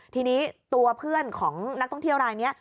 ทีนี้ตัวเพื่อนของนักท่องเที่ยวรายนี้